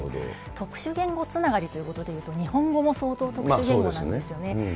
特殊言語つながりということで言うと、日本語も相当特殊言語なんですよね。